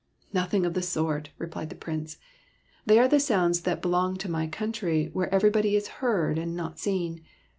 " Nothing of the sort," replied the Prince. " They are the sounds that belong to my coun try, where everybody is heard and not seen.